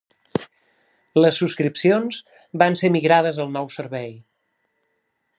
Les subscripcions van ser migrades al nou servei.